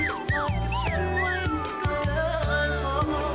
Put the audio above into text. โอ้โฮ